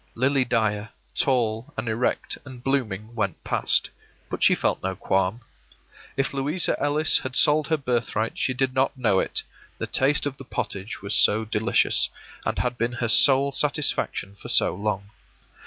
Lily Dyer, tall and erect and blooming, went past; but she felt no qualm. If Louisa Ellis had sold her birthright she did not know it, the taste of the pottage was so delicious, and had been her sole satisfaction for so long.